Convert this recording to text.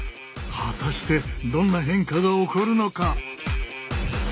果たしてどんな変化が起こるのか？